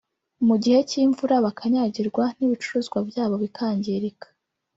mu gihe cy’imvura bakanyagirwa n’ibicuruzwa byabo bikangirika